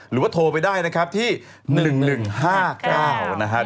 หรือว่าโทรไปได้นะครับที่๑๑๕๙นะครับ